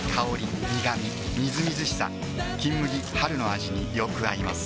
みずみずしさ「金麦」春の味によく合います